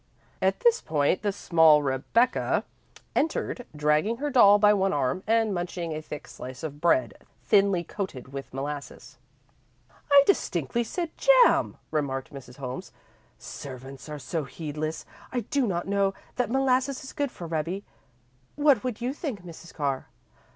At this point the small Rebecca entered, dragging her doll by one arm, and munching a thick slice of bread, thinly coated with molasses. "I distinctly said jam," remarked Mrs. Holmes. "Servants are so heedless. I do not know that molasses is good for Rebbie. What would you think, Mrs. Carr?"